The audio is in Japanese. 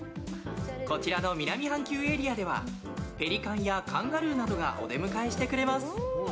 こちらの南半球エリアではペリカンやカンガルーなどがお出迎えしてくれます。